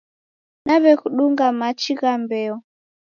Naw'ekudunga machi gha mbeo.